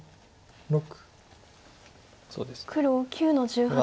黒９の十八。